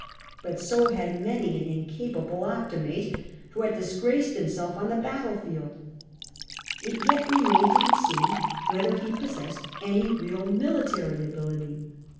But so had many an incapable Optiinate who had disgraced him self on the battlefield : it yet remained to be seen whether he possessed real military ability.